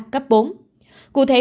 cấp bốn cụ thể